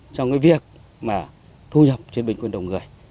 trong cái việc mà thu nhập trên bình quân đầu người